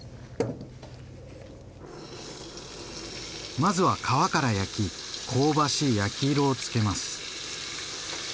まずは皮から焼き香ばしい焼き色をつけます。